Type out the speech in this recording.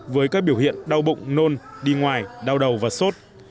với các biểu hiện đau bụng nôn đi ngoài đau đầu và sốt